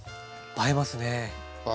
映えますね。